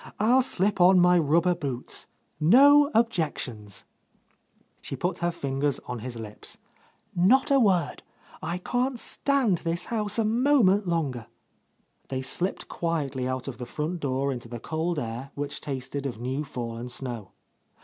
I'll slip on my rubber boots. No objections!" She put her — y6 — A Lost Lady fingers on his lips. "Not a word I I can't stand this house a moment longer." They slipped quietly out of the front door into the cold air which tasted of new fallen snow.